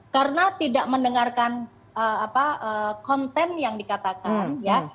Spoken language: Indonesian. karena tidak mendengarkan apa konten yang dikatakan ya